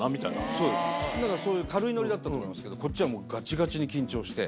そうだからそういう軽いノリだったと思いますけどこっちはガチガチに緊張して。